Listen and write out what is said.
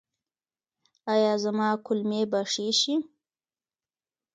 ایا زما کولمې به ښې شي؟